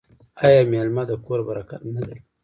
آیا میلمه د کور برکت نه دی؟